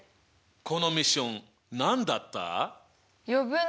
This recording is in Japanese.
このミッション何だった？